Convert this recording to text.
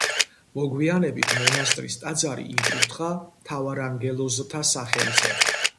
მოგვიანებით მონასტრის ტაძარი იკურთხა მთავარანგელოზთა სახელზე.